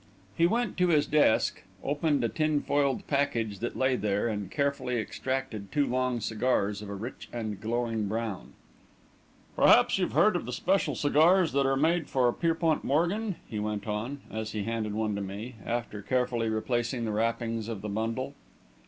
He went to his desk, opened a tin foiled package that lay there, and carefully extracted two long cigars of a rich and glowing brown. "Perhaps you've heard of the special cigars that are made for Pierpont Morgan," he went on, as he handed one to me, after carefully replacing the wrappings of the bundle.